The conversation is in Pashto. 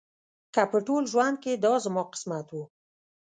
که په ټول ژوند کې دا زما قسمت و.